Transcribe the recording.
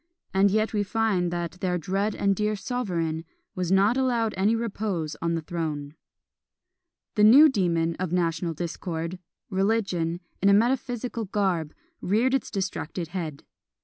And yet we find that "their dread and dear sovereign" was not allowed any repose on the throne. A new demon of national discord, Religion, in a metaphysical garb, reared its distracted head.